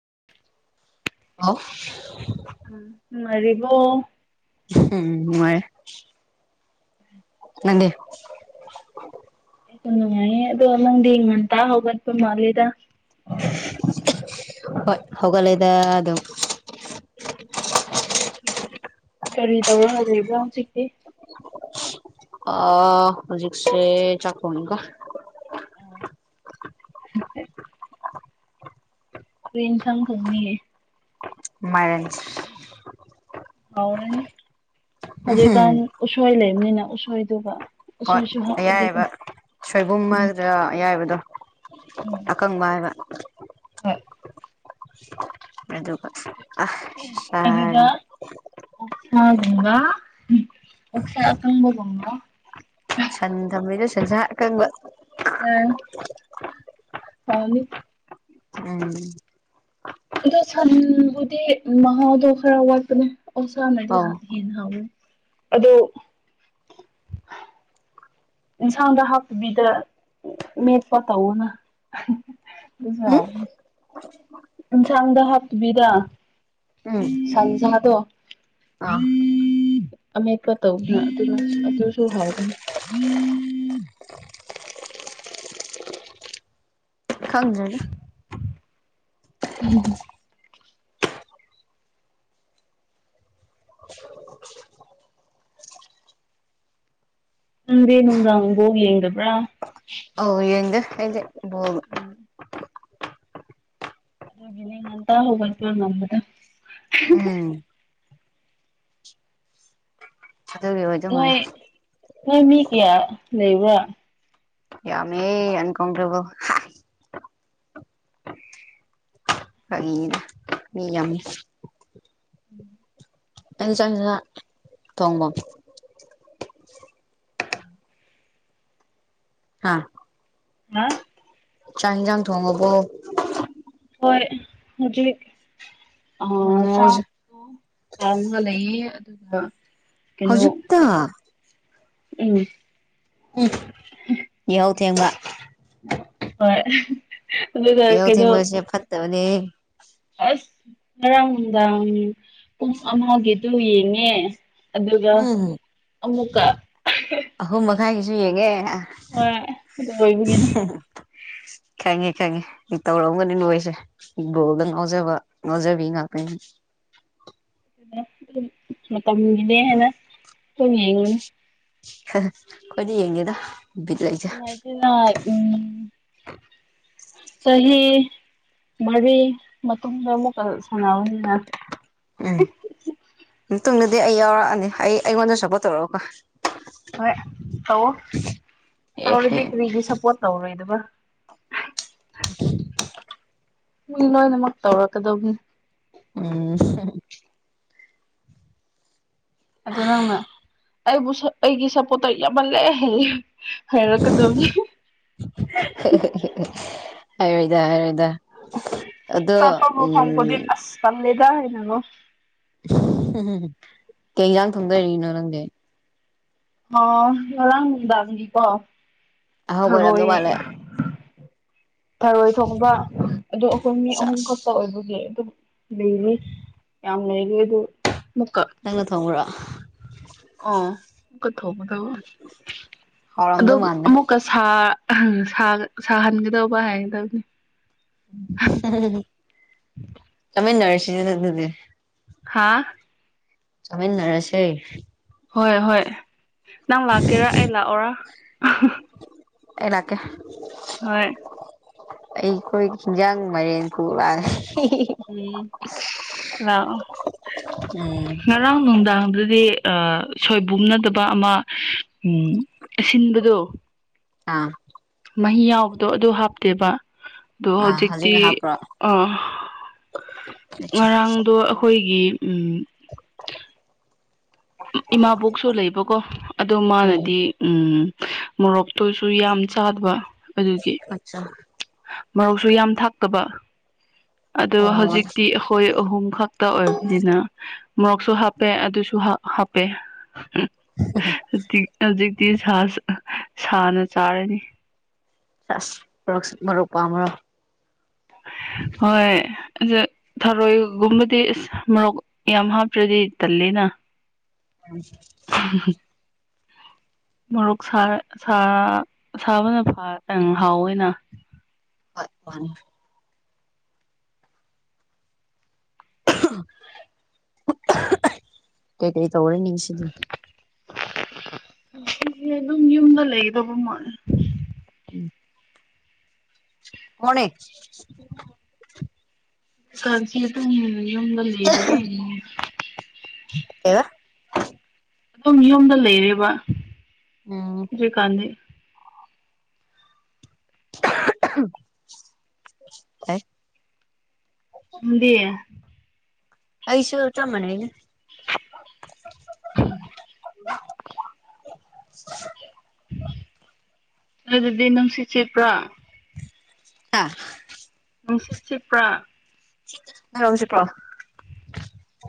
[inaudible] ꯑꯣ ꯃꯔꯤꯕꯣ ꯎꯝ ꯃꯥꯏ ꯅꯪꯗꯤ ꯑꯩꯁꯨ ꯅꯨꯡꯉꯥꯏꯌꯦ ꯑꯗꯣ ꯅꯪꯗꯤ ꯉꯟꯇꯥ ꯍꯧꯒꯠꯄ ꯃꯥꯜꯂꯦꯗ ꯍꯣꯏ ꯍꯧꯒꯠꯂꯗ ꯑꯗꯣ ꯀꯔꯤ ꯇꯧꯔꯒ ꯂꯩꯕ꯭ꯔꯣ ꯍꯧꯖꯤꯛꯇꯤ ꯑ ꯍꯧꯖꯤꯁꯦ ꯆꯈꯅꯤ ꯀ ꯍ ꯇ꯭ꯔꯦꯟꯦꯟ ꯁꯥꯡ ꯊꯧꯅꯤꯌꯦ ꯃꯔꯔꯟ ꯍꯥꯎꯔꯅꯤ ꯍꯧꯖꯤꯛꯀꯥꯟ ꯎꯁꯣꯏ ꯂꯩꯕꯅꯤꯅ ꯎꯁꯣꯏꯗꯨꯒ ꯍꯣꯏ ꯎꯁꯣꯏꯁꯨ ꯍꯥꯞꯂꯗꯤꯀꯣ ꯑꯌꯥꯏꯕ ꯁꯣꯏꯕꯨꯝ ꯎꯝ ꯑꯃꯗ ꯑꯌꯥꯏꯕꯗꯣ ꯑꯀꯪꯕꯥꯕ ꯍ ꯑꯗꯨꯒ ꯑ ꯁꯥꯔ ꯁꯥ ꯑꯗꯨꯕ ꯑꯣꯁꯥ ꯇꯪꯕꯕꯕ ꯁꯗꯝꯕꯤꯗꯁ ꯀꯪ ꯑꯝ ꯍꯥꯎꯅꯤ ꯎꯝ ꯑꯗꯣ ꯁꯟꯕꯨꯗꯤ ꯃꯍꯥꯎꯗꯣ ꯈꯔ ꯋꯥꯠꯄꯅꯦ ꯑꯣꯁ ꯑꯧ ꯅꯗꯤꯟ ꯍꯎ ꯑꯣ ꯏꯟꯁꯥꯡꯗ ꯍꯛꯕꯤꯗ ꯃ ꯄ ꯍꯅ ꯄꯨꯖ ꯎꯝ ꯌꯦꯟꯁꯥꯡꯗ ꯍꯥꯞꯇꯕꯤꯔ ꯎꯝ ꯁꯥꯟꯖꯥꯗ ꯑꯥ ꯑꯃꯦꯠꯄ ꯇꯧ꯭ꯔꯅ ꯑꯗꯨ ꯑꯗꯨꯁꯨ ꯍꯥꯎꯕꯅꯤ ꯈꯪꯖ꯭ꯔꯅꯤ ꯎꯝ ꯎꯗꯦ ꯅꯨꯡꯗꯥꯥꯡꯕꯣ ꯌꯦꯡꯗꯕ꯭ꯔꯥ ꯑꯣ ꯌꯦꯗ ꯑꯩꯕ ꯑꯗꯨꯗꯒꯤꯅꯦ ꯌꯦꯉꯇ ꯍꯒꯜ ꯉꯗ ꯎꯝ ꯀ ꯑꯗꯨ ꯅꯣꯏ ꯃꯔ ꯅꯣꯏ ꯃꯤ ꯀꯌꯥ ꯂꯩꯕ꯭ꯔꯥ ꯌꯥꯃꯦ ꯑꯟꯀꯣ꯭ꯔꯕꯣ ꯐꯒꯤꯅ ꯃꯤ ꯌꯥꯝꯃꯤ ꯎꯝ ꯑ ꯆ ꯇꯣꯡꯕꯝ ꯍꯥꯥ ꯍꯥ ꯆꯥꯡꯖꯥꯡ ꯊꯣꯡꯉꯕꯣ ꯍꯣꯏ ꯍꯧꯖꯤ ꯑ ꯆꯥ ꯍꯧꯖꯤꯛ ꯍꯥꯎꯉ ꯂꯩꯌꯦ ꯑꯗꯨꯒ ꯀꯩꯅꯣ ꯍꯧꯖꯤꯛꯇꯛꯇ ꯎꯝ ꯌꯥꯍꯧ ꯊꯦꯡꯕ ꯍꯣꯏ ꯑꯗꯨꯒ ꯑꯦꯧ ꯊ ꯀꯩꯅꯣ ꯃꯁꯦ ꯐꯠꯇꯅꯤ ꯑꯁ ꯉꯔꯥꯡ ꯅꯨꯡꯗꯥꯡ ꯄꯨꯡ ꯑꯃꯒꯤꯗꯨ ꯌꯦꯡꯉꯦ ꯑꯗꯨꯒ ꯎꯝ ꯑꯃꯨꯛꯀ ꯉꯥꯏꯒꯤꯁꯨ ꯌꯦꯡꯉꯦ ꯍ ꯑꯗꯨ ꯑꯣꯏꯕꯒꯤꯅꯤ [inaudible] ꯈꯪꯉꯦ ꯈꯪꯉꯦ ꯇꯧꯔꯝꯒꯅꯤ ꯅꯣꯏꯁꯦꯠꯕꯣꯜꯗ ꯉꯥꯎꯖꯕ ꯉꯥꯎꯖꯕꯤ ꯉꯥꯛꯇꯅꯤ [inaudible] ꯑꯗꯨꯝ ꯃꯇꯝꯅꯦ ꯍꯥꯏꯦꯅ ꯊ ꯌꯦꯡꯅꯤ ꯀꯣꯏꯗꯤ ꯌꯦꯡꯒꯦꯗ ꯎꯝ ꯆꯍꯤ ꯃꯔꯤ ꯃꯇꯨꯡꯗ ꯑꯃꯨꯛ ꯁꯅꯥꯅꯤ ꯇꯨꯡꯗꯗꯤ ꯑꯩ ꯌꯥꯎꯔꯛꯑꯅꯤ ꯑꯩꯉꯣꯟꯗ ꯁꯞꯄꯣꯔꯠ ꯇꯧꯔꯛꯒꯀꯣ ꯍꯣꯏ ꯇꯧ ꯑꯦ ꯑꯦ ꯇꯧꯔꯗꯤ ꯀꯔꯤꯗꯤ ꯁꯞꯄꯣꯔꯠ ꯇꯧꯔꯣꯏꯗꯕ ꯃꯤ ꯂꯣꯏꯅꯃꯛ ꯇꯧꯔꯛꯀꯗꯧꯅꯤ ꯎꯝ ꯑꯗꯨ ꯅꯪꯅ ꯑꯩꯕꯨ ꯑꯩꯒꯤ ꯁꯞꯄꯣꯔꯠꯇꯣ ꯌꯥꯝꯃꯜꯂꯑ ꯍꯥꯏꯔꯣꯏꯗ ꯍꯥꯏꯔꯣꯏꯗ ꯑꯗꯣ ꯆꯠꯄ ꯃ ꯎꯝ ꯐꯪꯄꯗꯤ ꯑꯁꯄ ꯂꯩꯗ ꯍꯅꯉꯣ ꯎ ꯀꯩ ꯏꯟꯖꯥꯡ ꯊꯣꯡꯗꯅꯣ ꯅꯪꯗꯤ ꯑ ꯉꯔꯥꯡꯗꯥꯒꯤꯀꯣ ꯑꯍꯣ ꯍꯣꯏꯔꯝꯗ ꯃꯥꯂꯦ ꯊꯔꯣꯏ ꯊꯣꯡꯕ ꯑꯗꯨ ꯑꯩꯈꯣꯏ ꯃꯤ ꯆꯥꯛ ꯑꯍꯨꯝ ꯈꯛꯇ ꯑꯣꯏꯕꯒꯤ ꯑꯗꯨꯝ ꯂꯩꯔꯤ ꯌꯥꯝ ꯂꯩꯔꯤ ꯑꯗꯨ ꯅꯪꯅ ꯊꯣꯡꯈ꯭ꯔꯣ ꯑꯣ ꯑꯃꯨꯛꯀꯊꯣꯛꯒꯗꯕ ꯍꯥꯎꯔꯝꯗꯧ ꯑ ꯃꯥꯟꯗ꯭ꯔꯦ ꯑꯃꯨꯛꯀ ꯁꯥ ꯁꯥꯍꯟꯒꯗꯧꯕ ꯍꯥꯏꯒꯗꯕꯅꯤ ꯆꯃꯦ ꯅꯔꯁꯤꯁꯤ ꯑꯗꯨ ꯑꯗꯨꯗꯤ ꯍꯥꯥ ꯆꯃꯤꯥꯏꯟꯅꯔꯁꯦ ꯍꯣꯏ ꯍꯣꯏ ꯅꯪ ꯂꯥꯛꯀꯦꯔꯥ ꯑꯩ ꯂꯥꯛꯑꯣꯔꯥ ꯏꯂꯀꯦ ꯍꯣꯏ ꯑꯩꯈꯣꯏ ꯍꯤꯟꯖꯥꯡ ꯃꯦꯟ ꯀꯔꯦ ꯎꯝ ꯂꯥꯛꯑꯣ ꯎꯝ ꯉꯔꯥꯡ ꯅꯨꯡꯗꯥꯡꯗꯨꯗꯤ ꯁꯣꯏꯕꯨꯝꯅꯗꯕ ꯑꯃ ꯎ ꯑꯁꯤꯟꯕꯗꯣ ꯑꯥ ꯃꯍꯤ ꯌꯥꯎꯕꯗꯣ ꯑꯗꯨ ꯍꯥꯞꯇꯦꯕ ꯑꯗꯣ ꯑꯥ ꯍꯧꯖꯤꯛꯇꯤ ꯍꯧꯖꯤꯛꯅ ꯍꯥꯞꯄ꯭ꯔꯣ ꯑꯆꯥ ꯉꯔꯥꯡꯗꯣ ꯑꯩꯈꯣꯏꯒꯤ ꯎꯝ ꯏꯃꯥꯕꯣꯛꯁꯨ ꯂꯩꯕꯀꯣ ꯑꯗ ꯎꯝ ꯃꯥꯅꯗꯤ ꯎꯝ ꯃꯣꯔꯣꯛꯇꯨꯁꯨ ꯌꯥꯝ ꯆꯥꯗꯕ ꯑꯗꯨꯒꯤ ꯑꯆꯥ ꯃꯔꯧꯁꯨ ꯌꯥꯝ ꯊꯥꯛꯇꯕ ꯑꯗꯣ ꯑꯣ ꯍꯧꯖꯤꯛꯇꯤ ꯑꯩꯈꯣꯏ ꯑꯍꯨꯝ ꯈꯛꯇ ꯑꯣꯏꯕꯅꯤꯅ ꯃꯣꯔꯣꯛꯁꯨ ꯍꯥꯞꯄꯦ ꯑꯗꯨꯁꯨ ꯍꯥꯞꯄꯦ ꯍꯧꯖꯤꯛ ꯍꯧꯖꯤꯛ ꯁꯥꯅ ꯆꯥꯔꯅꯤ ꯑꯁ ꯃꯔ ꯃꯔꯨꯞ ꯄꯥꯝꯃꯣ ꯍꯣꯏ ꯑ ꯊꯔꯣꯏꯒꯨꯝꯕꯗꯤ ꯑꯁ ꯃꯔꯣꯛ ꯌꯥꯝ ꯍꯥꯞꯇ꯭ꯔꯗꯤ ꯇꯜꯂꯦꯅ ꯎꯝ ꯃꯔꯣꯛ ꯁꯥꯕꯅ ꯐꯇꯪ ꯍꯥꯎꯋ ꯑꯣꯏꯅ ꯍꯣꯏꯄ ꯀꯩꯀꯩ ꯇꯧꯔ ꯅꯤꯡꯁꯤꯗꯤ ꯁꯤꯁꯦ ꯑꯗꯨꯝ ꯌꯨꯝꯗ ꯂꯩꯗꯧꯕ ꯃꯥꯜ ꯎꯝ ꯃꯅꯤꯦꯛ ꯀꯁꯤꯇꯗ ꯂꯩꯗ ꯀꯕ ꯑꯗꯨꯝ ꯌꯨꯝꯗ ꯎꯝ ꯂꯩꯔꯕꯔꯤꯀꯥꯟꯗꯤ [unintelligible] [unintelligible] ꯎꯗꯤꯌꯦ ꯑꯁꯨ ꯆ ꯃꯅꯅꯦ [unintelligible] [unintelligible] [unintelligible] ꯑꯗꯨꯗꯤ ꯅꯨꯡꯁꯤꯠ ꯆꯦꯄ꯭ꯔꯥ ꯑ ꯪꯁꯤꯁꯤꯄ꯭ꯔꯥ ꯔꯝꯁꯤꯄ꯭ꯔꯣ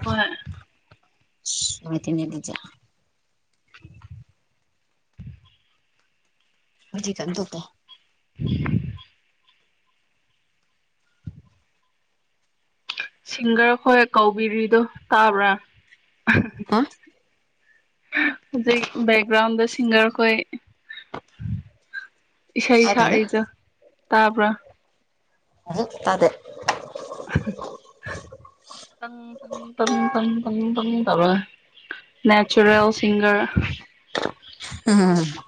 ꯍꯣꯏ ꯁꯃꯥꯏ ꯇ ꯃꯤ ꯂꯩꯖ ꯍꯧꯖꯤ ꯀꯗꯄ [inaudible] ꯁꯤꯡꯒꯔ ꯍꯣꯏ ꯀꯧꯕꯥꯎꯤꯔꯤꯗꯣ ꯇꯥꯕ꯭ꯔꯥ ꯍꯥ ꯍꯧꯖꯤꯛ ꯕꯦꯛꯒ꯭ꯔꯥꯎꯟꯗ ꯁꯤꯡꯒꯔꯈꯣꯏ ꯏꯁꯩ ꯇꯥꯗꯦꯗ ꯁꯛꯛꯗ ꯇꯥꯕ꯭ꯔꯥ ꯑ ꯇꯗꯦ ꯪꯪ ꯇꯝ ꯇꯝ ꯇꯝ ꯇꯝ ꯇꯔ ꯅꯦꯆꯔꯦꯜ ꯁꯤꯁꯤꯡꯒꯔ ꯎꯝ [inaudible]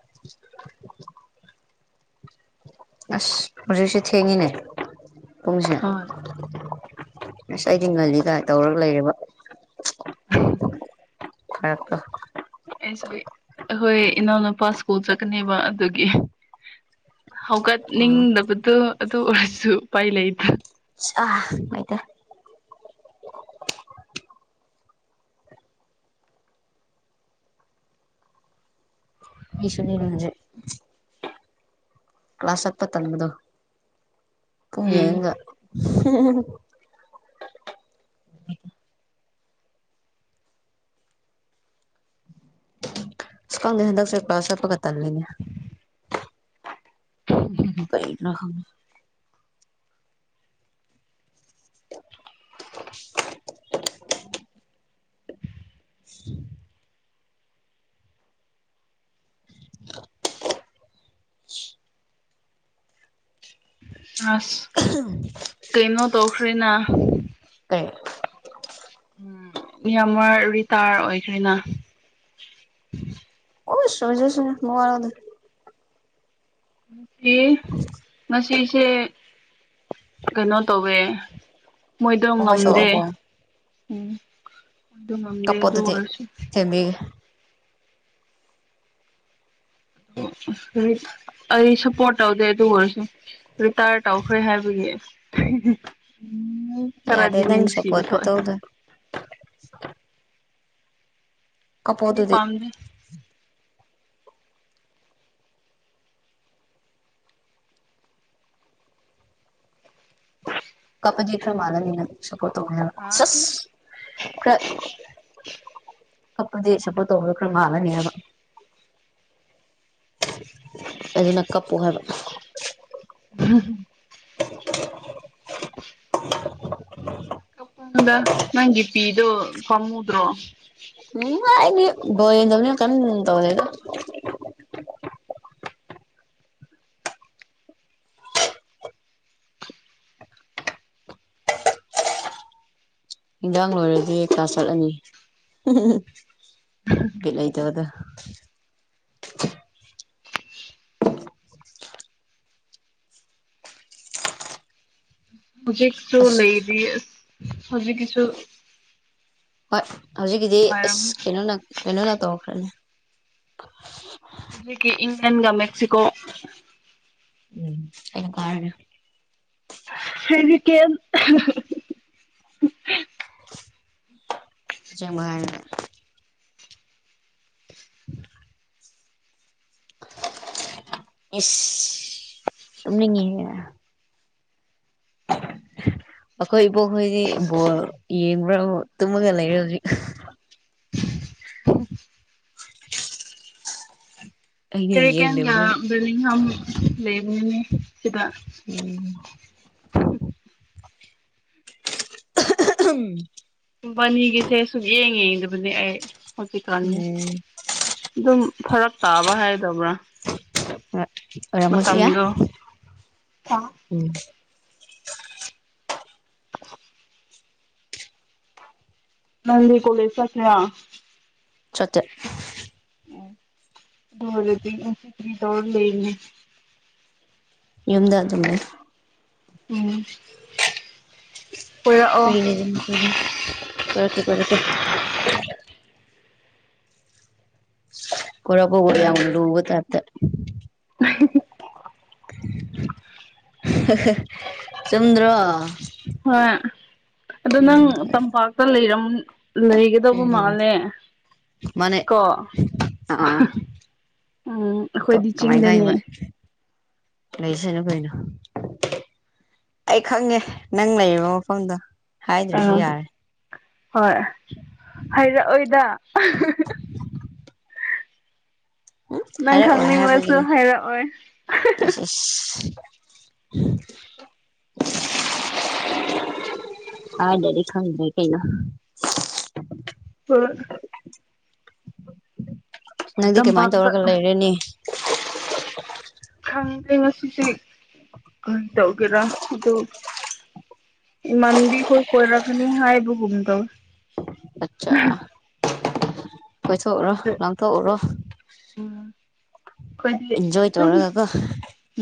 [inaudible] ꯑꯁ ꯍꯧꯖꯤꯛ ꯍꯧꯁꯨ ꯊꯦꯡꯉꯤꯅꯦ ꯄꯨꯡꯁꯤꯅ ꯍꯣꯏ ꯑꯁ ꯑꯩꯗꯤ ꯉꯜꯂꯤꯒꯥꯏ ꯇꯧꯔꯒ ꯂꯩꯔꯦꯕ ꯍꯛꯇꯣ ꯑꯩꯁꯨ ꯑꯩꯈꯣꯏ ꯏꯅꯥꯎꯅꯨꯄꯥ ꯁ꯭ꯀꯨꯜ ꯆꯠꯀꯅꯦꯕ ꯑꯗꯨꯒꯤ ꯎꯝ ꯍꯧꯒꯠꯅꯤꯡꯗꯕꯗꯣ ꯑꯗꯨ ꯑꯣꯏꯔꯁꯨ ꯎꯄꯥꯏ ꯂꯩꯗ ꯑ ꯑꯗ ꯑꯩꯁꯨꯅꯤꯔꯖꯦ ꯀ꯭ꯂꯥꯁ ꯆꯠꯄ ꯇꯟꯕꯗꯣ ꯄꯨꯡ ꯎꯝ ꯌꯦꯉꯒ ꯁꯀꯪꯗ ꯍꯟꯗꯛ ꯆꯠꯄ ꯆꯠꯄꯒ ꯇꯜ ꯂꯩꯅꯦꯦ ꯀꯩꯅꯅ ꯍ ꯑꯁ ꯀꯩꯅꯣ ꯇꯧꯈ꯭ꯔꯦꯅ ꯀꯩ ꯎꯝ ꯌꯥꯝꯃ ꯔꯤꯇꯥꯌꯔ ꯑꯣꯏꯈ꯭ꯔꯦꯅ ꯑꯣꯏꯖꯁ ꯃꯨ ꯋꯥꯔꯗ ꯃꯁꯤꯁꯤ ꯃꯁꯤꯁꯤꯁꯦ ꯀꯩꯅꯣ ꯇꯧꯋꯦ ꯃꯣꯏꯗꯣ ꯊꯃꯣꯏ ꯉꯝꯗꯦ ꯁꯣꯛꯑꯕꯣ ꯎꯝ ꯑꯗꯨ ꯉꯝꯗꯦ ꯑꯗꯨ ꯀꯄꯣꯗꯨ ꯊ ꯑꯣꯏꯔꯁꯨ ꯊꯦꯝꯕꯤ ꯑꯩ ꯁꯞꯄꯣꯔꯠ ꯇꯧꯗꯦ ꯑꯗꯨ ꯑꯣꯏꯔꯁꯨ ꯔꯤꯇꯥꯌꯔ ꯇꯧꯈ꯭ꯔꯦ ꯍꯥꯏꯕꯒꯤ [inaudible] ꯎꯝ ꯌꯥꯗꯦ ꯈꯔꯗꯤ ꯅꯨꯡꯁꯤꯕ ꯅꯪꯁꯨꯄꯋꯥꯔꯒ ꯊꯣꯛꯑꯦ ꯇꯧꯗ ꯑꯦꯗꯤ ꯄꯝꯗ ꯖꯤꯈ꯭ꯔ ꯃꯥꯅꯅꯤꯅ ꯠꯇꯅ ꯍꯥ ꯑꯞ ꯆꯁꯄ ꯇꯣꯂ ꯀꯔ ꯃꯥꯂꯅꯤꯕ ꯑꯗꯨꯅ ꯀꯞꯄꯨ ꯍꯥꯏꯕ ꯎꯝ [inaudible] ꯀꯗ ꯅꯪ ꯏ ꯄꯤ ꯗꯣ ꯄꯃꯨꯗꯣ ꯎꯝ ꯇꯅꯤ ꯀ ꯇꯧꯅꯤꯗ ꯍꯟꯖꯥꯡ ꯂꯣꯏꯔꯗꯤ ꯀꯥ ꯆꯠꯂꯅꯤ ꯠ ꯂꯩꯇꯕꯗ [inaudible] ꯍꯧꯖꯤꯛꯁꯨꯣ ꯑꯁ ꯂꯩꯗꯤ ꯍꯧꯖꯤꯛ ꯀꯁꯨ ꯍꯣꯏ ꯍꯧꯖꯤꯛꯀꯤꯗꯤ ꯑꯁ ꯀꯩꯅꯣꯅ ꯀꯩꯅꯣꯅ ꯇꯧꯔꯈ꯭ꯔꯅꯤ ꯍꯧꯖꯤꯛꯀꯤ ꯏꯪꯂꯦꯟꯒ ꯃꯦꯛꯁꯤꯀꯣ ꯎꯝ ꯑꯩꯅ ꯀꯥꯔ ꯐꯗꯤ ꯀꯦ ꯆꯕꯔ [inaudible] ꯏꯁ ꯑꯗꯨꯅ ꯌꯦꯒ [inaudible] ꯑꯩꯈꯣꯏ ꯏꯕꯣꯛꯈꯣꯏꯗꯤ ꯕꯣꯜ ꯌꯦꯡꯕ꯭ꯔꯥ ꯇꯨꯝꯃꯒ ꯂꯩꯔꯦ ꯍꯧꯖꯤꯛ [inaudible] ꯑꯩꯒꯤꯅ ꯐꯔꯦ ꯀ ꯀ ꯌꯦꯡꯗꯕꯅꯤꯅ ꯕꯔꯃꯤꯍ ꯂꯩꯦꯕꯅꯦ ꯁꯤꯗ ꯎꯝ ꯎꯝ ꯀꯝꯄꯅꯤꯒꯤꯁꯦ ꯁꯨꯛ ꯌꯦꯡꯉꯦ ꯑꯗꯨꯕꯨꯅꯦ ꯑꯩ ꯍꯧꯖꯤꯛꯀꯥꯟꯅꯤ ꯎꯝ ꯑꯗꯨꯝ ꯐꯔꯛ ꯇꯥꯕ ꯍꯥꯏꯗꯕ꯭ꯔꯥ ꯔꯃꯆꯌꯥ ꯃꯇꯝꯗꯣ ꯎꯝ [inaudible] ꯅꯅꯤ ꯀꯣꯂꯖ ꯆ ꯆꯣ ꯆꯠ ꯗꯣ ꯍꯖ ꯇ ꯐꯔꯤꯗꯧꯔ ꯂꯩꯅꯤ ꯌꯨꯝꯗ ꯑꯗꯨꯝꯂꯦ ꯎꯝ [inaudible] ꯀꯣꯏꯔꯛꯑꯣ ꯐꯔꯤꯅꯦ ꯀꯗ ꯀꯔꯀꯦꯔꯀꯦ ꯀꯔꯄ ꯑꯣꯏꯕ ꯇꯔꯠꯇ [inaudible] ꯆꯨꯝꯗ꯭ꯔꯣ ꯍꯣꯏ ꯑ ꯅꯪ ꯇꯝꯄꯥꯛꯇ ꯂꯩꯔꯝ ꯂꯩꯒꯗꯧꯕ ꯃꯥꯜꯂꯦ ꯃꯥꯅꯦ ꯀꯣ ꯑꯥ ꯎꯝ ꯑꯩꯈꯣꯏꯗꯤ ꯆꯤꯡꯗꯅꯦ ꯄꯩꯁꯅ ꯐꯅ ꯑꯩ ꯈꯪꯉꯦ ꯅꯪ ꯂꯩꯔꯤꯕ ꯃꯐꯝꯗ ꯍꯥꯏꯗ꯭ꯔꯁꯨ ꯑꯥ ꯌꯥꯔ ꯍꯣꯏ ꯍꯥꯏꯩꯔꯛꯑꯣꯏꯗ ꯎ ꯅꯪ ꯍꯥꯏꯔ ꯑꯣꯏꯔꯦ ꯈꯪꯅꯤꯡꯂꯁꯨ ꯍꯥꯏꯦꯕꯒꯤꯅꯦꯁ ꯍꯥꯏꯔꯛꯑꯣꯏ [inaudible] ꯍꯥ ꯗꯗꯤ ꯈꯪꯗꯦ ꯀꯩꯩꯅ ꯍ ꯅꯪꯗꯤ ꯀꯃꯥꯏꯅ ꯇꯝꯄꯥꯛꯇ ꯇꯧꯔꯒ ꯂꯩꯔꯦꯅꯤ ꯈꯪꯗꯦ ꯉꯁꯤꯁꯦ ꯀꯔꯤ ꯇꯧꯒꯦꯔꯥ ꯑꯗꯨ ꯏꯃꯥꯟꯕꯤꯈꯣꯏ ꯀꯣꯏꯔꯛꯀꯅꯤ ꯍꯥꯏꯕꯒꯨꯝꯗꯧꯋꯤ ꯑꯆꯥ ꯀꯣꯏꯊꯣꯛꯎꯔꯣ ꯑꯗꯨ ꯂꯪꯊꯣꯛꯎꯔꯣ ꯣꯏ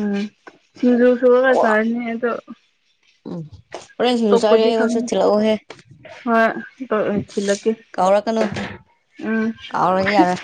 ꯎꯝ ꯆꯤꯖꯁꯨꯒ ꯆꯅꯤ ꯎꯝ ꯌꯁꯥꯁꯨ ꯈꯪꯗꯦ ꯊ ꯂꯧꯑꯣ ꯍꯦ ꯍꯣꯏ ꯊꯤꯜꯂꯛꯀꯦ ꯀꯥꯎꯔꯛꯀꯅꯨ ꯎꯝ ꯀꯥꯎꯔꯦ ꯌꯥꯔꯦ